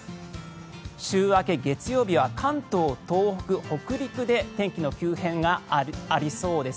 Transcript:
週明け月曜日は関東、東北、北陸で天気の急変がありそうです。